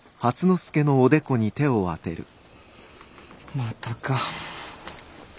またか。